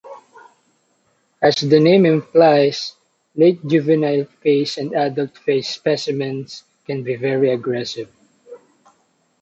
As the name implies, late juvenile-phase and adult-phase specimens can be very aggressive.